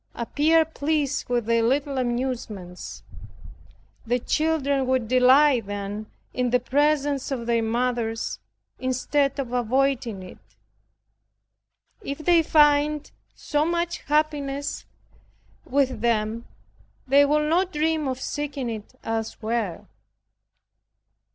Appear pleased with their little amusements. The children will delight then in the presence of their mothers, instead of avoiding it. If they find so much happiness with them, they will not dream of seeking it elsewhere.